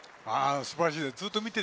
すばらしいですね。